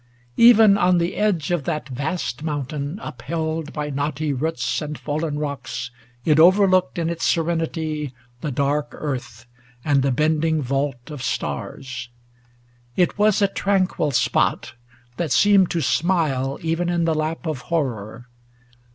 Even on the edge of that vast mountain, Upheld by knotty roots and fallen rocks. It overlooked in its serenity The dark earth and the bending vault of stars. It was a tranquil spot that seemed to smile Even in the lap of horror.